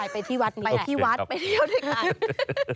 ไปที่วัดไปที่วัดไปเที่ยวด้วยกัน